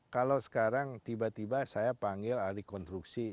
kalau sekarang tiba tiba saya panggil ahli konstruksi